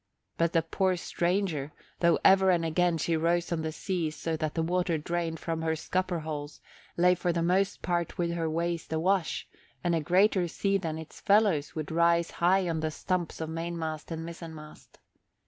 But the poor stranger, though ever and again she rose on the seas so that the water drained from her scupper holes, lay for the most part with her waist a wash and a greater sea than its fellows would rise high on the stumps of mainmast and mizzenmast.